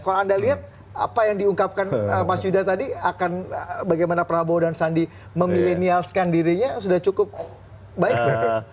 kalau anda lihat apa yang diungkapkan mas yuda tadi akan bagaimana prabowo dan sandi memilenialskan dirinya sudah cukup baik